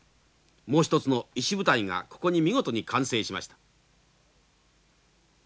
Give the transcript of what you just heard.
もう一つの石舞台がここに見事に完成しました。